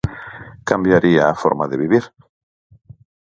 Cambiaría a forma de vivir.